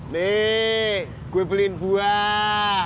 nih gue beliin buah